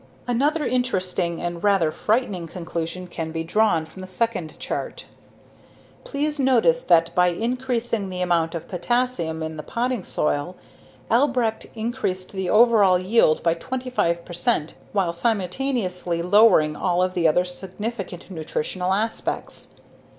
Another interesting, and rather frightening, conclusion can be drawn from the second chart. Please notice that by increasing the amount of potassium in the potting soil, Albrecht increased the overall yield by 25 percent while simultaneously lowering all of the other significant nutritional aspects.